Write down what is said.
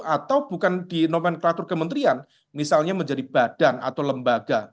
atau bukan di nomenklatur kementerian misalnya menjadi badan atau lembaga